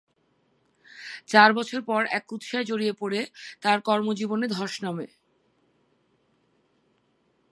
চার বছর পর এক কুৎসায় জড়িয়ে পরে তার কর্মজীবনে ধস নামে।